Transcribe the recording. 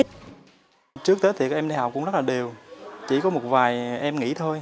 trước tết thì các em đi học cũng rất là đều chỉ có một vài em nghĩ thôi